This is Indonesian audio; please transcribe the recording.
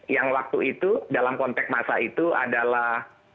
yang waktu itu dalam konteks masa itu adalah